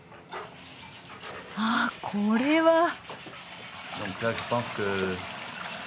あっこれは。